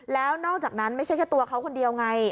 แล้วนอกจากนั้นไม่ใช่แค่ตัวเขาคนเดียวไง